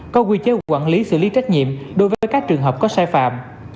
có quy chế quản lý xử lý trách nhiệm đối với các trường hợp có sai phạm